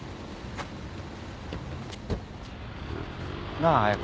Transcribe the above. なあ彩佳。